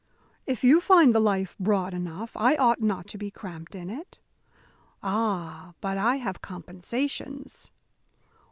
"If you find the life broad enough, I ought not to be cramped in it." "Ah, but I have compensations."